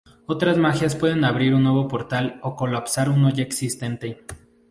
Otras magias pueden abrir un nuevo portal o colapsar uno ya existente.